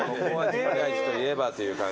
深大寺といえばという感じで。